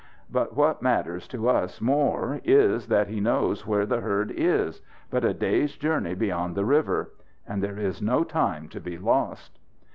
But what matters to us more is that he knows where the herd is but a day's journey beyond the river. And there is no time to be lost."